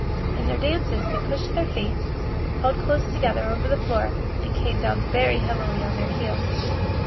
In their dances they pushed their feet, held close together over the floor and came down very heavily on their heels.